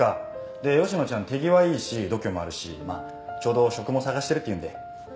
で吉野ちゃん手際いいし度胸もあるしちょうど職も探してるっていうんで。